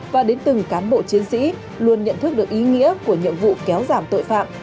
và đến từng cán bộ chiến sĩ luôn nhận thức được ý nghĩa của nhiệm vụ kéo giảm tội phạm